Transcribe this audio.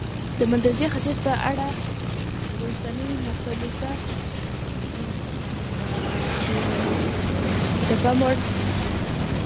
د منځني ختیځ په اړه وروستۍ مخبېلګه د پام وړ ده.